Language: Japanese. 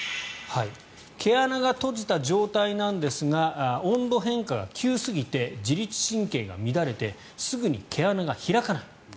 毛穴が閉じた状態なんですが温度変化が急すぎて自律神経が乱れてすぐに毛穴が開かない。